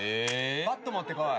バット持ってこい。